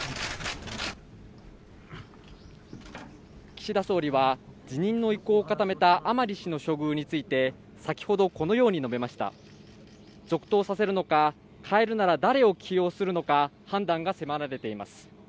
岸田総理は辞任の意向を固めた甘利氏の処遇について先ほどこのように述べました続投させるのか変えるなら誰を起用するのか判断が迫られています